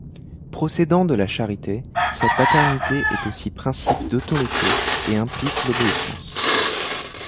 Procédant de la charité, cette paternité est aussi principe d’autorité et implique l’obéissance.